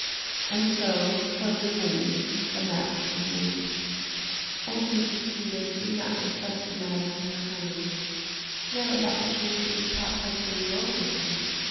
And so for Lena Mainz the match was made. Old Mrs. Kreder did not discuss the matter with her Herman. She never thought that she needed to talk such things over with him.